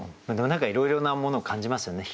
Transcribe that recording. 何かいろいろなものを感じますよね。